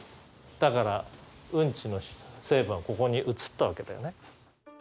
だからうんちの成分はここに移ったわけだよね。